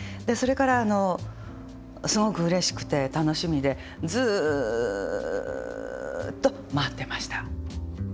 それからすごくうれしくて楽しみでずっと待ってました。